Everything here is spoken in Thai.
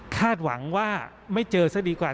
หวังว่าไม่เจอซะดีกว่า